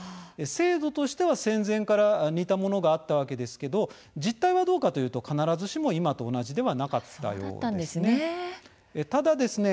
制度としては戦前から似たものがあったわけですけど実態はどうかというと、必ずしも今と同じではなかったようですね。